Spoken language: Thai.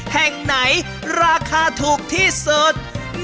แห่งไหนราคาถูกที่สุด